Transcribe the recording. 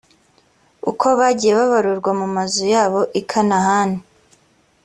uko bagiye babarurwa mu mazu yabo i kanahani.